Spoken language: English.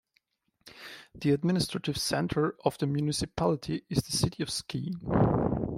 The administrative centre of the municipality is the city of Skien.